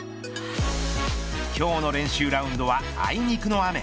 今日の練習ラウンドはあいにくの雨。